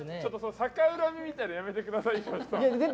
逆恨みみたいなのやめてください。